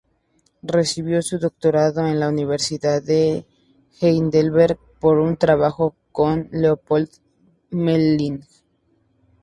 Recibió su doctorado en la Universidad de Heidelberg por su trabajo con Leopold Gmelin.